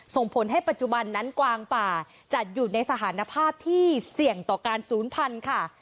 ส่งผลให้ปัจจุบันนั้นกวางป่าจัดอยู่ในสถานภาพที่เสี่ยงต่อการศูนย์พันธุ์ค่ะ